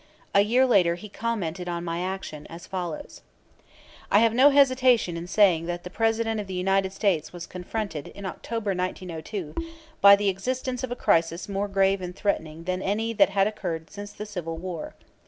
A year later he commented on my action as follows: "I have no hesitation in saying that the President of the United States was confronted in October, 1902, by the existence of a crisis more grave and threatening than any that had occurred since the Civil War.